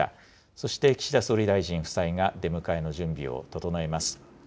そして岸田総理大臣夫妻が出迎えの準備を整えます。